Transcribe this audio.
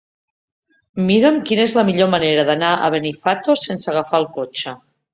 Mira'm quina és la millor manera d'anar a Benifato sense agafar el cotxe.